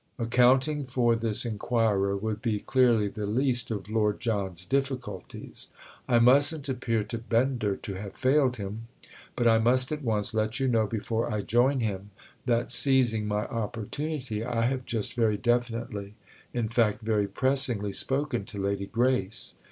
Accounting for this inquirer would be clearly the least of Lord John's difficulties. "I mustn't appear to Bender to have failed him; but I must at once let you know, before I join him, that, seizing my opportunity, I have just very definitely, in fact very pressingly, spoken to Lady Grace.